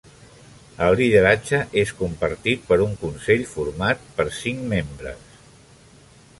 El lideratge és compartit per un consell format per cinc membres.